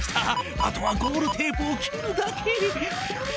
あとはゴールテープを切るだけ。